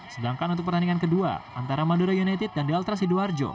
sedangkan untuk pertandingan kedua antara madura united dan delta sidoarjo